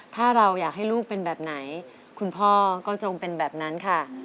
ถ้าเราอยากให้ลูกเป็นแบบไหนคุณพ่อก็จงเป็นแบบนั้นค่ะ